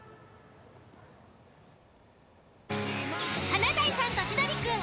［『華大さんと千鳥くん』］